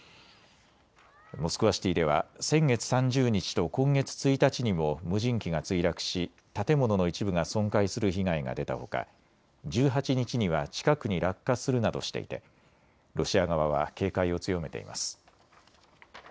モスクワシティでは先月３０日と今月１日にも無人機が墜落し建物の一部が損壊する被害が出たほか１８日には近くに落下するなどしていてロシア側は警戒を強めています。